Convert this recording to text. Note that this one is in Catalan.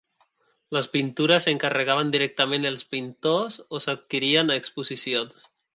Les pintures s'encarregaven directament als pintors o s'adquirien a exposicions.